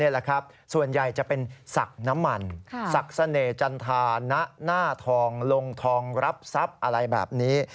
ลงทองลงทองรับทรัพย์อะไรแบบนี้